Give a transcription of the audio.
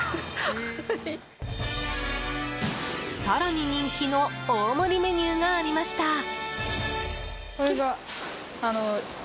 更に人気の大盛りメニューがありました。